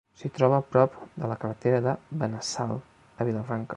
S'hi troba prop de la carretera de Benassal a Vilafranca.